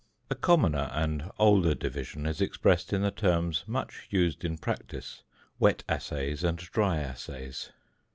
A commoner and older division is expressed in the terms much used in practice wet assays and dry assays.